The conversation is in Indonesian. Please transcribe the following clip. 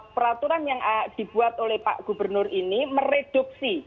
peraturan yang dibuat oleh pak gubernur ini mereduksi